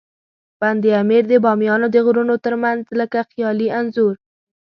بند امیر د بامیانو د غرونو ترمنځ لکه خیالي انځور.